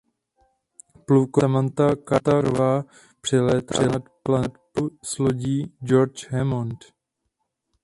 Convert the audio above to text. Plukovník Samantha Carterová přilétá nad planetu s lodí "George Hammond".